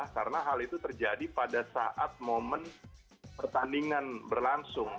karena hal itu terjadi pada saat momen pertandingan berlangsung